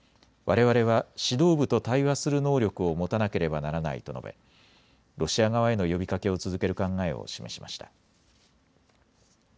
われわれは指導部と対話する能力を持たなければならないと述べロシア側への呼びかけを続ける考えを示しました。